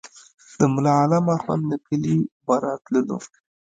د ملا عالم اخند له کلي به راتللو.